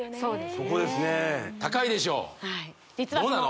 そこですね高いでしょうどうなの？